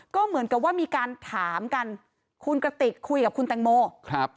ก็เหมือนกับว่ามีการถามกันคุณกระติกคุยกับคุณแตงโมครับ